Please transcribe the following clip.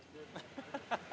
ハハハハ！